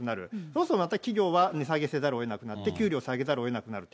そうすると、また企業は値下げせざるをえなくなって、給料下げざるをえなくなる。